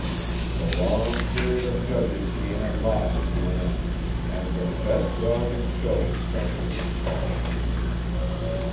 The long period of judging came at last to an end. And the "Best Dog in Show" special was called.